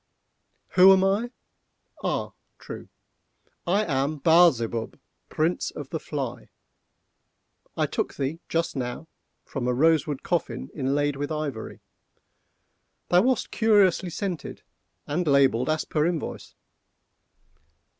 "Who am I?—ah, true! I am Baal Zebub, Prince of the Fly. I took thee, just now, from a rose wood coffin inlaid with ivory. Thou wast curiously scented, and labelled as per invoice.